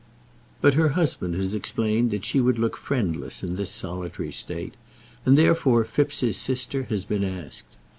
But her husband has explained that she would look friendless in this solitary state, and therefore Phipps's sister has been asked.